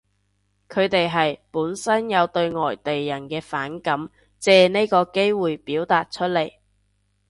佢哋係，本身有對外地人嘅反感，借呢個機會表達出嚟